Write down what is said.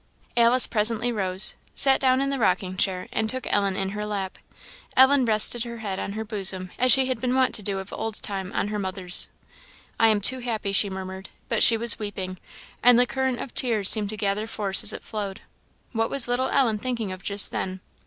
Alice presently rose, sat down in the rocking chair, and took Ellen in her lap; and Ellen rested her head on her bosom, as she had been wont to do of old time on her mother's. "I am too happy," she murmured. But she was weeping, and the current of tears seemed to gather force as it flowed. What was little Ellen thinking of just then?